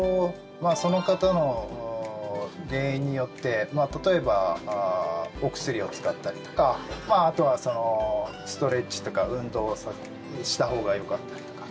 その方の原因によって例えば、お薬を使ったりとかあとはストレッチとか運動したほうがよかったりとか。